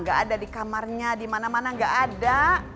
gak ada di kamarnya dimana mana gak ada